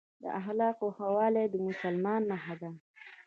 د اخلاقو ښه والي د مسلمان نښه ده.